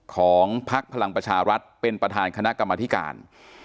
พักพลังประชารัฐเป็นประธานคณะกรรมธิการ